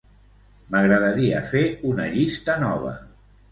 M'agradaria fer una llista nova.